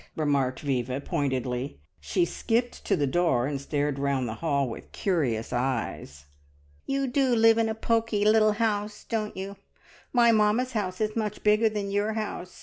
remarked Viva pointedly. She skipped to the door, and stared round the hall with curious eyes. "You do live in a poky little house, don't you? My mamma's house is much bigger than your house.